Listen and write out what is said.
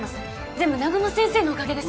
全部南雲先生のおかげです